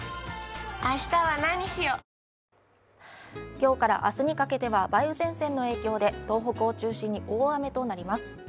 今日から明日にかけては梅雨前線の影響で東北を中心に大雨となります。